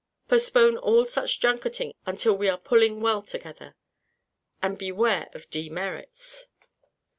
Postpone all such junketing until we are pulling well together. And beware of demerits.